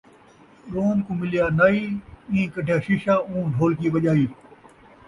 ݙوم کوں ملیا نائی ، ایں کڈھیا شیشہ اوں ڈھولکی وڄائی